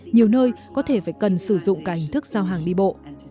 nhiều nơi có thể phải cần sử dụng cả hình thức giao hàng đi bộ